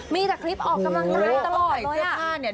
มีแต่คลิปออกกำลังกายตลอดเลยอะหูวูวเขาใส่เสื้อผ้าเนี้ย